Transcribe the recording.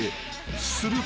すると］